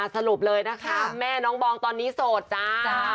สรุปเลยนะคะแม่น้องบองตอนนี้โสดจ้า